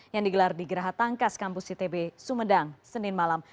yang digelar di geraha tangkas kampus itb sumedang senin malam